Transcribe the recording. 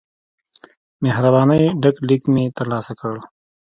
مهربانی ډک لیک مې ترلاسه کړ.